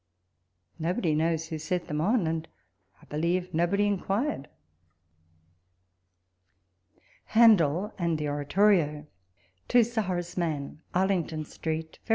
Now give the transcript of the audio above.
Nobody knows who set them on, and I beheve nobody inquh ed. ... HANDEL AND THE OR AT OHIO. To Sir Horace Mann. Arlinyton Street, Feb.